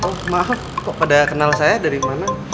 oh maaf kok pada kenal saya dari mana